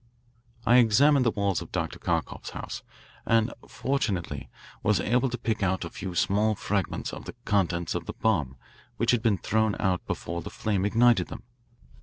"I examined the walls of Dr. Kharkoff's house, and fortunately was able to pick out a few small fragments of the contents of the bomb which had been thrown out before the flame ignited them.